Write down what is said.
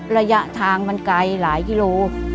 ระยะทางมันไกลหลายกิโล